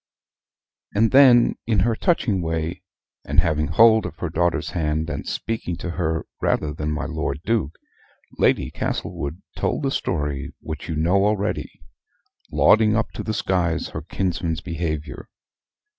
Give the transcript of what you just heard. And then in her touching way, and having hold of her daughter's hand, and speaking to her rather than my Lord Duke, Lady Castlewood told the story which you know already lauding up to the skies her kinsman's behavior.